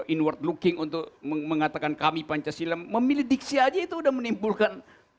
inward looking untuk mengatakan kami pancasila memilih diksi aja itu udah menimbulkan